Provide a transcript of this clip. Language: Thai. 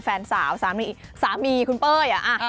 แฟนสาวสามีคุณเป้ยอะ